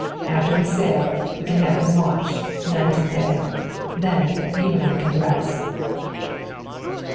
"After we sail, we can have him watched, night and day; then, you and I can rest!"